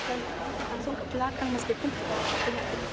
langsung ke belakang meskipun belum jatuh